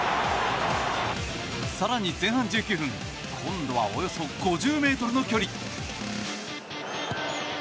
更に前半１９分今度はおよそ５０ｍの距離。